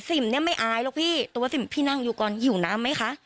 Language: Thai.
เนี่ยไม่อายหรอกพี่ตัวสิมพี่นั่งอยู่ก่อนหิวน้ำไหมคะ